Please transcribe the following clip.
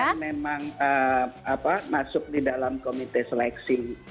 karena memang masuk di dalam komite seleksi